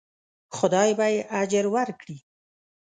خدای به یې اجر ورکړي.